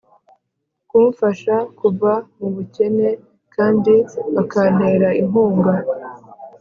Kumfasha Kuva mu bukene kandi bakantera inkunga